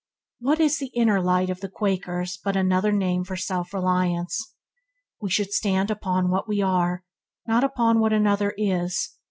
What is the "inner light" of the Quakers but another name for self reliance? We should stand upon what we are, not upon what another is.